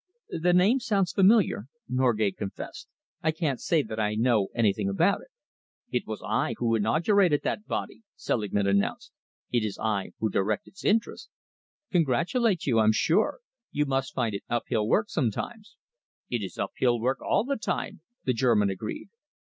"The name sounds familiar," Norgate confessed. "I can't say that I know anything about it." "It was I who inaugurated that body," Selingman announced. "It is I who direct its interests." "Congratulate you, I'm sure. You must find it uphill work sometimes." "It is uphill work all the time," the German agreed.